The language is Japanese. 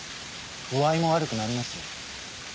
具合も悪くなりますよ。